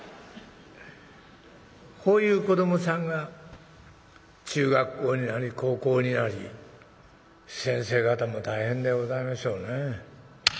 こういう子どもさんが中学校になり高校になり先生方も大変でございましょうね。